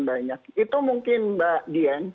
banyak itu mungkin mbak dian